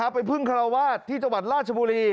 ไปพึ่งคาราวาสที่จังหวัดราชบุรี